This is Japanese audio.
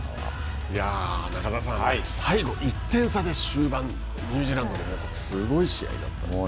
いやぁ、中澤さん、最後、１点差で終盤、ニュージーランドすごい試合でしたね。